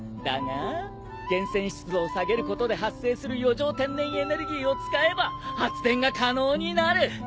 だが源泉湿度を下げることで発生する余剰天然エネルギーを使えば発電が可能になる。